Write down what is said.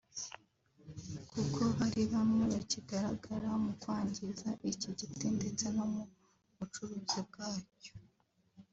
kuko hari bamwe bakigaragara mu kwangiza iki giti ndetse no mu bucuruzi bwacyo